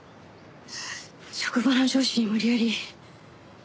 職場の上司に無理やり。